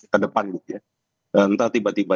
ke depan ya entah tiba tiba